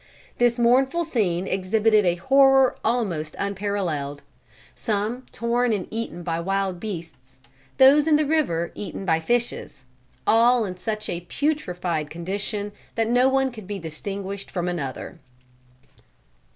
This mournful scene exhibited a horror almost unparalleled; some torn and eaten by wild beasts; those in the river eaten by fishes; all in such a putrified condition that no one could be distinguished from another."